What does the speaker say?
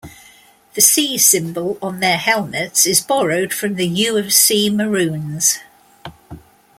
The "C" symbol on their helmets is borrowed from the U of C Maroons.